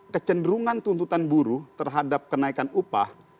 kecenderungan tuntutan buruh terhadap kenaikan upah